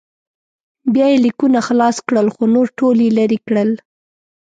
بیا یې لیکونه خلاص کړل خو نور ټول یې لرې کړل.